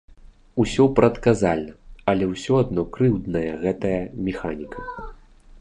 Усё прадказальна, але ўсё адно крыўдная гэтая механіка.